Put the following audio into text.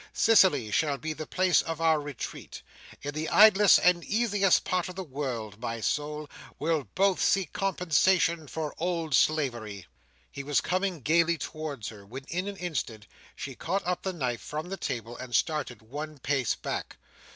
Sicily shall be the place of our retreat. In the idlest and easiest part of the world, my soul, we'll both seek compensation for old slavery." He was coming gaily towards her, when, in an instant, she caught the knife up from the table, and started one pace back.